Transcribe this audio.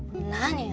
何？